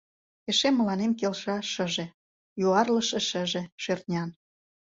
Эше мыланем келша шыже, Юарлыше шыже, шӧртнян.